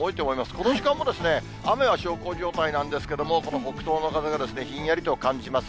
この時間も雨は小康状態なんですけれども、この北東の風がひんやりと感じます。